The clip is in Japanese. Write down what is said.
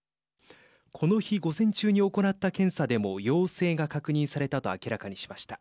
この日午前中に行った検査でも陽性が確認されたと明らかにしました。